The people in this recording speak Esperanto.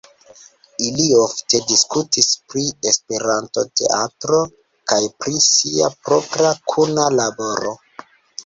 Ili ofte diskutis pri esperantoteatro kaj pri sia propra kuna laboro.